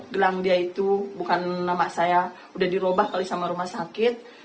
gelang dia itu bukan nama saya udah dirobah kali sama rumah sakit